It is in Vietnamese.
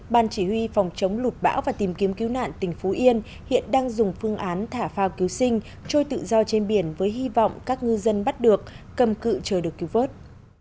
ban chỉ huy phòng chống lụt bão và tìm kiếm cứu nạn tỉnh phú yên hiện đang dùng phương án thả phao cứu sinh trôi tự do trên biển với hy vọng các ngư dân bắt được cầm cự chờ được cứu vớt